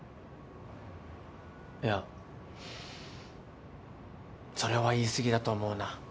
いやそれは言い過ぎだと思うな。